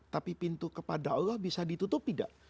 tapi pintu kepada allah bisa ditutup tidak